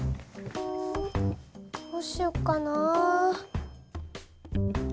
どうしよっかな。